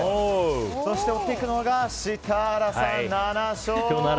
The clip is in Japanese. そして追っていくのがシタラさん、７勝。